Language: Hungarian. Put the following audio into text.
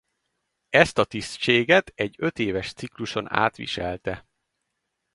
Ezt a tisztséget egy ötéves cikluson át viselte.